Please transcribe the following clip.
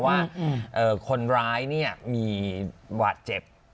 ว่าคนร้ายมีบาดเจ็บ